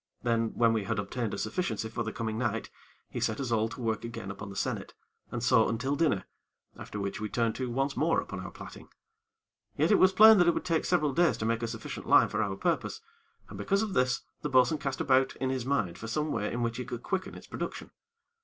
Then, when we had obtained a sufficiency for the coming night, he set us all to work again upon the sennit, and so until dinner, after which we turned to once more upon our plaiting. Yet it was plain that it would take several days to make a sufficient line for our purpose, and because of this, the bo'sun cast about in his mind for some way in which he could quicken its production.